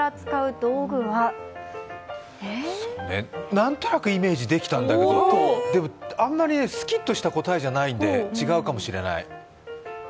何となくイメージできたんだけど、でもあんまりスキッとした答えじゃないんで違うかもしれない。